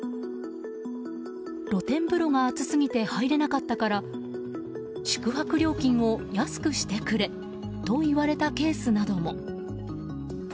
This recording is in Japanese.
露天風呂が熱すぎて入れなかったから宿泊料金を安くしてくれと言われたケースなども。